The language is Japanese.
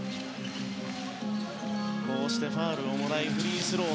こうしてファウルをもらいフリースロー。